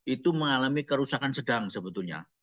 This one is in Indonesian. itu mengalami kerusakan sedang sebetulnya